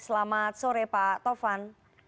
selamat sore pak tovan